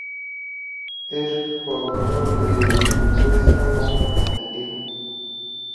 Es co-autor de "Puede Japón competir?